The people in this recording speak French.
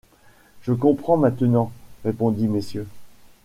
Je comprends maintenant, répondit Mrs.